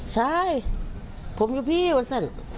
ใช่ผมอยู่พี่วันนั้น